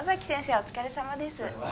お疲れさまです